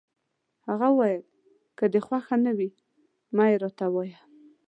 هغه وویل: که دي خوښه نه وي، مه يې راته وایه.